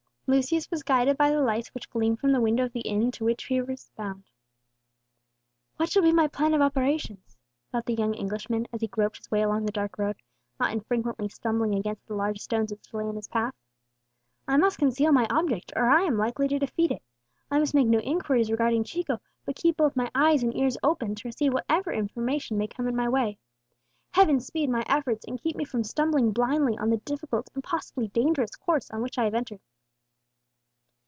Lucius was guided by the lights which gleamed from the window of the inn to which he was bound. "What shall be my plan of operations?" thought the young Englishman, as he groped his way along the dark road, not infrequently stumbling against the large stones which lay in his path. "I must conceal my object, or I am likely to defeat it. I must make no inquiries regarding Chico, but keep both my eyes and ears open to receive whatever information may come in my way. Heaven speed my efforts, and keep me from stumbling blindly on the difficult and possibly dangerous course on which I have entered!"